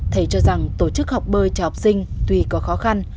thầy cho rằng tổ chức học bơi cho học sinh tuy có khó khăn